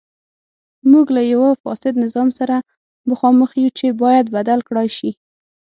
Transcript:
موږ له یوه فاسد نظام سره مخامخ یو چې باید بدل کړای شي.